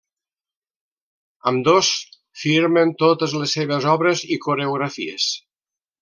Ambdós firmen totes les seves obres i coreografies.